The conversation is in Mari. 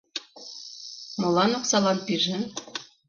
Молан оксалан пижын?